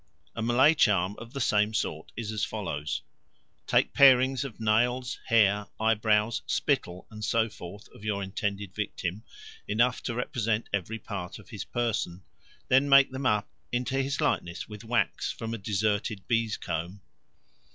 A Malay charm of the same sort is as follows. Take parings of nails, hair, eyebrows, spittle, and so forth of your intended victim, enough to represent every part of his person, and then make them up into his likeness with wax from a deserted bees' comb.